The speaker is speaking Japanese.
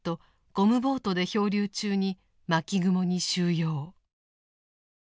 ゴムボートで漂流中に「巻雲」に収容。